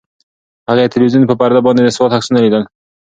هغې د تلویزیون په پرده باندې د سوات عکسونه لیدل.